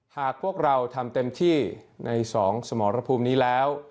หากพวกเราทำเต็มที่ใน๒สมรภูมินี้แล้ว